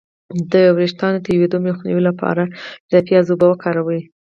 د ویښتو د تویدو مخنیوي لپاره د پیاز اوبه وکاروئ